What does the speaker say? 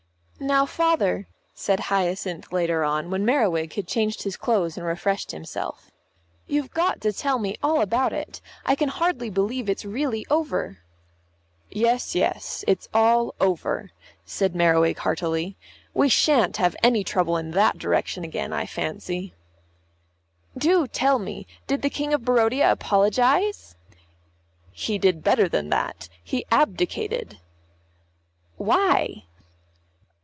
"Now, Father," said Hyacinth later on, when Merriwig had changed his clothes and refreshed himself, "you've got to tell me all about it. I can hardly believe it's really over." "Yes, yes. It's all over," said Merriwig heartily. "We shan't have any trouble in that direction again, I fancy." "Do tell me, did the King of Barodia apologise?" "He did better than that, he abdicated." "Why?"